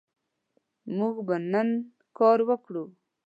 موږ به نن کار وکړو